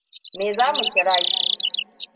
Me za mu kira shi?